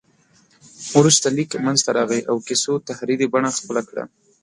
وروسته لیک منځته راغی او کیسو تحریري بڼه خپله کړه.